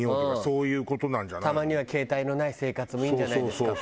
「たまには携帯のない生活もいいんじゃないですか」とか？